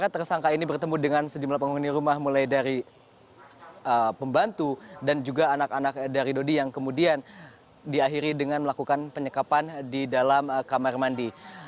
tersangka ini bertemu dengan sejumlah penghuni rumah mulai dari pembantu dan juga anak anak dari dodi yang kemudian diakhiri dengan melakukan penyekapan di dalam kamar mandi